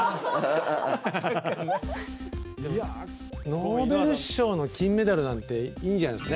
ノーベル賞の金メダルなんていいんじゃないですか？